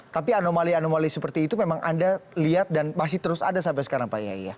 tapi anomali anomali seperti itu memang anda lihat dan masih terus ada sampai sekarang pak yai